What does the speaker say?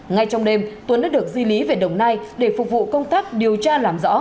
ngay trong đêm tuấn đã được di lý về đồng nai để phục vụ công tác điều tra làm rõ